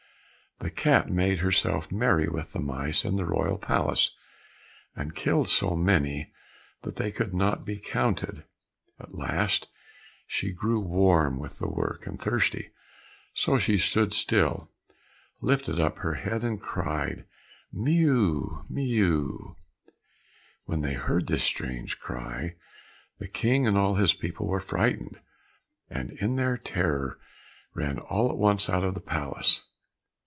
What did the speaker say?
The cat made herself merry with the mice in the royal palace, and killed so many that they could not be counted. At last she grew warm with the work and thirsty, so she stood still, lifted up her head and cried, "Mew. Mew!" When they heard this strange cry, the King and all his people were frightened, and in their terror ran all at once out of the palace.